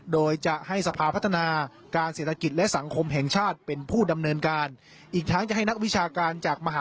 โดยจะให้สภาพัฒนาการเศรษฐกิจและสังคมแห่งชาติเป็นผู้ดำเนินการ